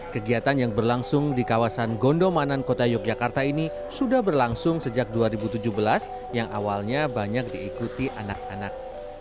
kegiatan yang berlangsung di kawasan gondomanan kota yogyakarta ini sudah berlangsung sejak dua ribu tujuh belas yang awalnya banyak diikuti anak anak